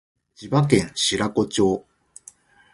千葉県白子町